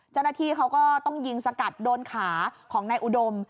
เจ้าหน้าที่เขาก็ต้องยิงสกัดโดนขาของนายอุดม